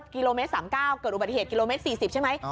กิโลเมตรสามเก้าเกิดอุบัติเหตุกิโลเมตรสี่สิบใช่ไหม